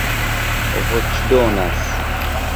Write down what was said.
voĉdonas